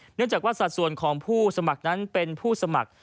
เนื่องจากว่าสัดส่วนของผู้สมัครนั้นเป็นผู้สมัคร